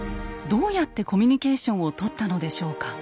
どうやってコミュニケーションをとったのでしょうか。